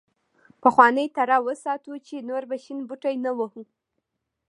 پخوانۍ تړه وساتو چې نور به شین بوټی نه وهو.